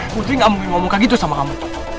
putri tidak mau memukul muka begitu sama kamu